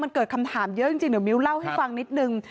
มันเกิดคำถามเยอะจริงเดี๋ยวมิ้วเล่าให้ฟังนิดนึง